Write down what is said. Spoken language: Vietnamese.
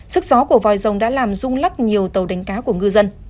sức gió của vòi rồng đã làm rung lắc nhiều tàu đánh cá của ngư dân